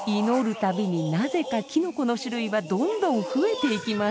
祈る度になぜかキノコの種類はどんどん増えていきます。